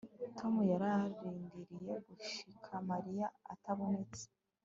Tom yararindiriye gushika Mariya atabonetse